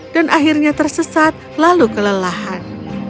dan akhirnya tersesat lalu kelelahan